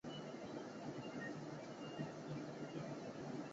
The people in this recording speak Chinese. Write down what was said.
其中柠檬水有时会被柠檬苏打水代替。